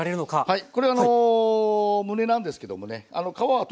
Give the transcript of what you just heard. はい。